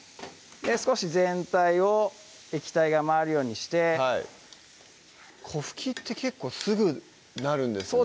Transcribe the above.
少し全体を液体が回るようにしてはい粉吹きって結構すぐなるんですね